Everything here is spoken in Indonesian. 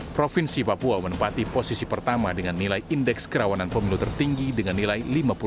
provinsi papua menempati posisi pertama dengan nilai indeks kerawanan pemilu tertinggi dengan nilai lima puluh empat